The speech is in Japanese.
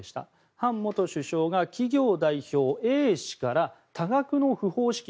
ハン元首相が企業代表Ａ氏から多額の不法資金